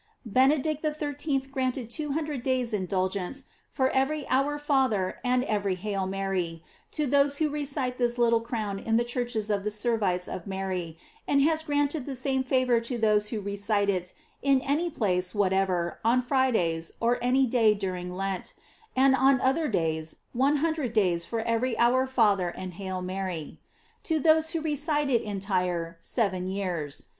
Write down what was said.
BENEDICT XIII. granted two hundred days' in dulgence for every ''Our Father " and every "Hail Mary" to those who recite this little crown in the churches of the Servites of Mary, and has granted the same favor to those who recite it in any place whatever on Fridays or any day dur ing Lent; and on other days, one hundred days for every "Our Father," and "Hail Mary." To those' who recite it entire, seven years.